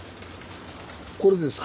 これですか。